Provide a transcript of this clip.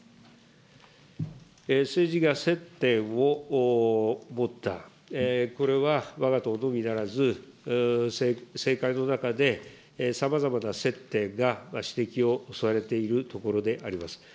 政治が接点を持った、これはわが党のみならず、政界の中でさまざまな接点が指摘をされているところであります。